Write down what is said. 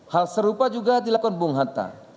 hal serupa juga dilakukan bung hatta